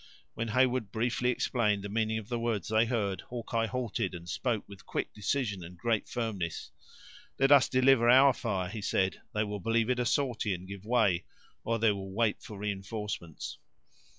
When Heyward briefly explained the meaning of the words they heard, Hawkeye halted and spoke with quick decision and great firmness. "Let us deliver our fire," he said; "they will believe it a sortie, and give way, or they will wait for reinforcements."